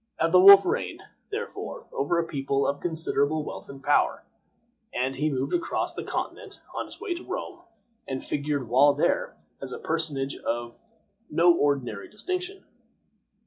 Ethelwolf reigned, therefore, over a people of considerable wealth and power, and he moved across the Continent on his way to Rome, and figured while there, as a personage of no ordinary distinction.